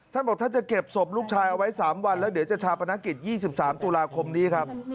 ท่านบอกท่านจะเก็บศพลูกชายเอาไว้๓วันแล้วเดี๋ยวจะชาปนกิจ๒๓ตุลาคมนี้ครับ